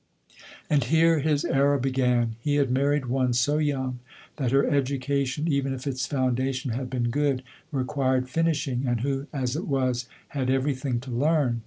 And here his error began ; he had married one so young, that her education, even if its founda tion had been good, required finishing, and who as it was, had every thing to learn.